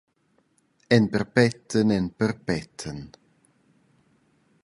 En perpeten, en perpeten…!»